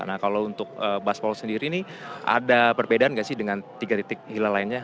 nah kalau untuk baspol sendiri ini ada perbedaan nggak sih dengan tiga titik hilal lainnya